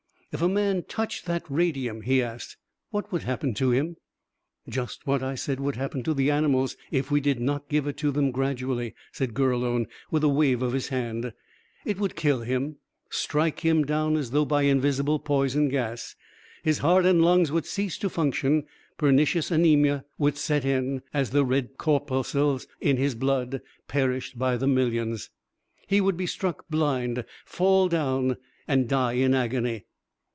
"If a man touched that radium," he asked, "what would happen to him?" "Just what I said would happen to the animals if we did not give it to them gradually," said Gurlone, with a wave of his hand. "It would kill him, strike him down as though by invisible poison gas. His heart and lungs would cease to function, pernicious anemia would set in, as the red corpuscles in his blood perished by millions. He would be struck blind, fall down and die in agony."